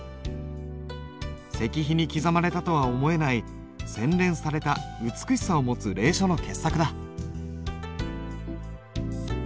石碑に刻まれたとは思えない洗練された美しさを持つ隷書の傑作だ。